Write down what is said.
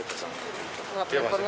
pemeriksaan awal sebagai tersangka